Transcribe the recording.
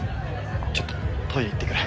ちょっとトイレ行ってくる。